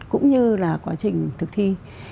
cũng như là quá trình thực thi